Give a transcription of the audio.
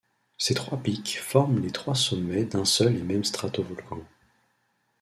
Ces trois pics forment les trois sommets d'un seul et même stratovolcan.